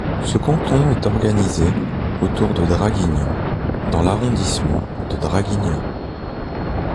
Ce canton est organisé autour de Draguignan dans l'arrondissement de Draguignan.